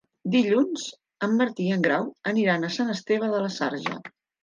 Dilluns en Martí i en Grau aniran a Sant Esteve de la Sarga.